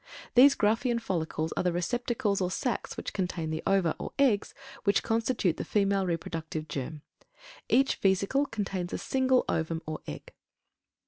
These Graafian follicles are the receptacles or sacs which contain the ova, or eggs, which constitute the female reproductive germ. Each vesicle contains a single ovum or egg.